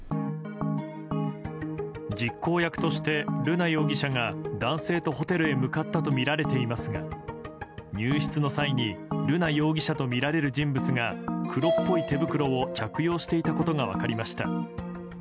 実行役として瑠奈容疑者が男性とホテルへ向かったとみられていますが入室の際に瑠奈容疑者とみられる人物が黒っぽい手袋を着用していたことが分かりました。